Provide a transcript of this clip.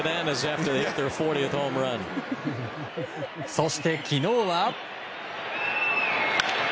そして昨日は。